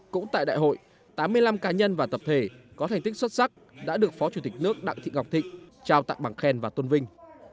cũng tại đại hội tám mươi năm cá nhân và tập thể có thành tích xuất sắc đã được phó chủ tịch nước đặng thị ngọc thịnh trao tặng bằng khen và tôn vinh